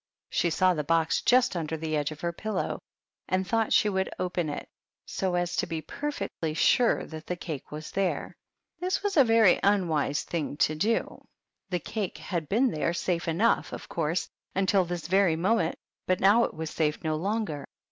She saw the box just under the edge of her pillow, and thought she would open it, so as to be perfectly sure that the cake was there. This was a very unwise thing to do. The cake PEGGY THE PIG. 21 had been there safe enough, of course, until this very moment, but now it was safe no longer.